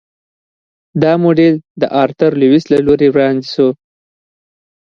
دا موډل د آرتر لویس له لوري وړاندې شو.